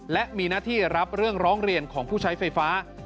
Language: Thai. และมีหน้าที่รับเรื่องร้องเรียนของผู้ใช้ไฟฟ้า